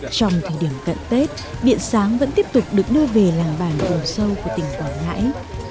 trong thời điểm cận tết điện sáng vẫn tiếp tục được đưa về làng bản vùng sâu của tỉnh quảng ngãi